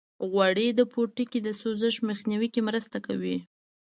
غوړې د پوټکي د سوزش مخنیوي کې مرسته کوي.